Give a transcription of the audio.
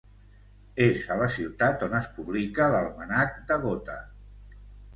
És la ciutat on es publica l'Almanac de Gotha.